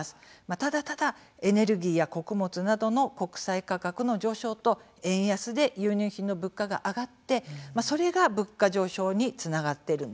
ただただエネルギーや穀物などの国際価格の上昇と円安で輸入品の物価が上がって、それが物価上昇につながっているんです。